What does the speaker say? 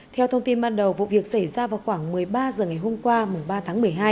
theo thông tin ban đầu vụ việc xảy ra vào khoảng một mươi ba h ngày hôm qua mùng ba tháng một mươi hai